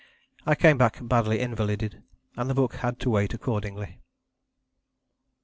I came back badly invalided; and the book had to wait accordingly.